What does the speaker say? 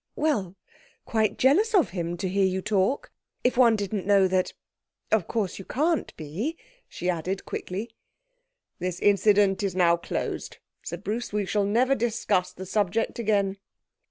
'Well, quite jealous of him, to hear you talk. If one didn't know that of course you can't be,' she added quickly. 'This incident is now closed,' said Bruce. 'We will never discuss the subject again.'